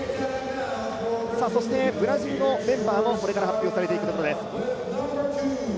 そしてブラジルのメンバーもこれから発表されていくところです。